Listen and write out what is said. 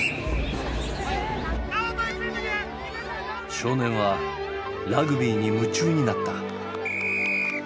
少年はラグビーに夢中になった。